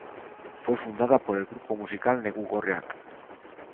Fue fundada por el grupo musical Negu Gorriak.